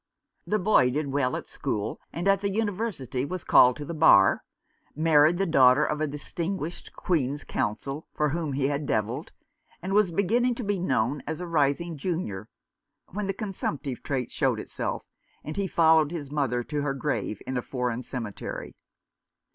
The boy did well at school, and at the University, was called to the Bar, married the daughter of a distinguished Queen's Counsel, for whom he had devilled, and was beginning to be known as a rising junior, when the consumptive taint showed itself, and he followed his mother to her grave in a foreign cemetery.